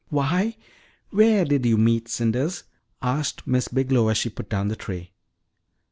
"Why, where did you meet Cinders?" asked Miss Biglow as she put down the tray.